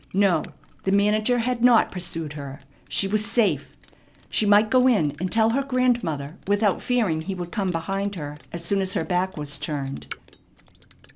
No, the manager had not pursued her. She was safe. She might go in and tell her grandmother without fearing he would come behind her as soon as her back was turned.